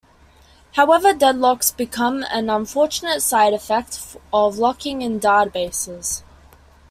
However, deadlocks become an unfortunate side-effect of locking in databases.